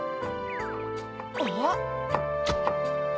あっ！